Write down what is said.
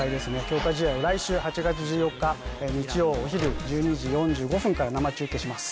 強化試合を来週８月１４日日曜お昼１２時４５分から生中継します。